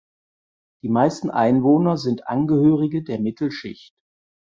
Die meisten Einwohner sind Angehörige der Mittelschicht.